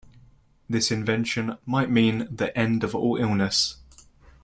This invention might mean the end of all illness.